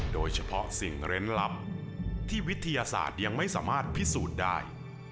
โดยเฉพาะสิ่งเร้นล้ำที่วิทยาศาสตร์ยังไม่สามารถพิสูจน์ได้